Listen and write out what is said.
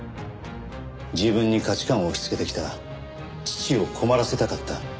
自分に価値観を押しつけてきた父を困らせたかった。